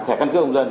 thẻ căn cứ công dân